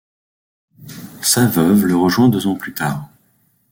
Sa veuve le rejoint deux ans plus tard.